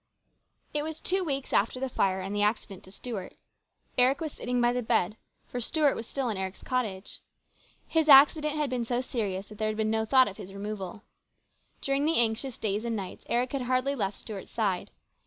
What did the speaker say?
IT was two weeks after the fire and the accident to Stuart. Eric was sitting by the bed, for Stuart was still in Eric's cottage. His accident had been so serious that there had been no thought of his removal. During the anxious days and nights Eric had hardly left Stuart's side.